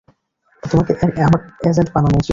তোমাকে আমার এজেন্ট বানানো উচিত।